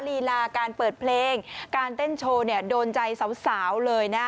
ลีลาการเปิดเพลงการเต้นโชว์เนี่ยโดนใจสาวเลยนะ